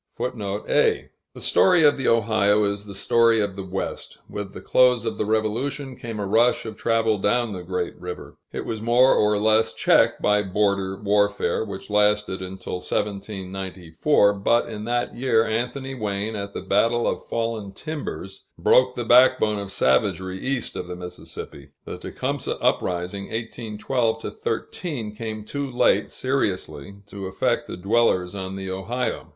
[A] The story of the Ohio is the story of the West. With the close of the Revolution, came a rush of travel down the great river. It was more or less checked by border warfare, which lasted until 1794; but in that year, Anthony Wayne, at the Battle of Fallen Timbers, broke the backbone of savagery east of the Mississippi; the Tecumseh uprising (1812 13) came too late seriously to affect the dwellers on the Ohio.